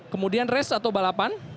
kemudian race atau balapan